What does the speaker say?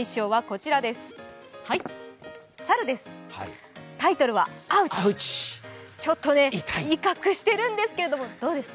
ちょっとね、威嚇しているんですけど、どうですか？